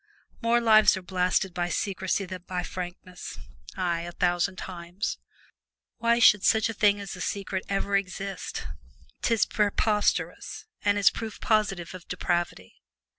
More lives are blasted by secrecy than by frankness ay! a thousand times. Why should such a thing as a secret ever exist? 'Tis preposterous, and is proof positive of depravity.